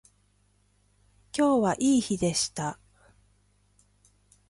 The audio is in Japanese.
今日はいい日でした